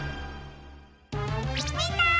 みんな！